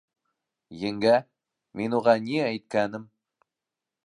— Еңгә, мин уға ни әйткәнем?